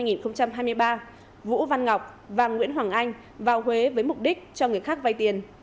ngày một mươi một tháng hai năm hai nghìn hai mươi ba vũ văn ngọc và nguyễn hoàng anh vào huế với mục đích cho người khác vay tiền